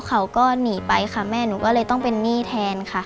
เขาก็หนีไปค่ะแม่หนูก็เลยต้องเป็นหนี้แทนค่ะ